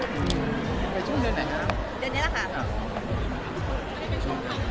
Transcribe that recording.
พี่เอ็มเค้าเป็นระบองโรงงานหรือเปลี่ยนไงครับ